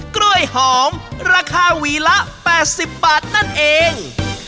กล้วยหอมราคาหวีละ๘๐บาทนั่นเอง